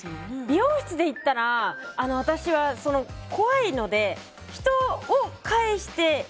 美容室で言ったら私は怖いので人を介して。